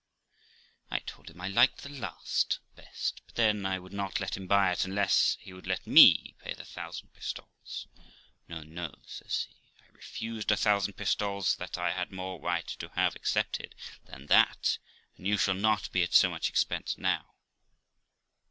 I told him I liked the last best, but then I would not let him buy it unless he would let me pay the thousand pistoles. 'No, no', says he, 'I refused a thousand pistoles that I had more right to have accepted than that, and you shall not be at so much expense now.'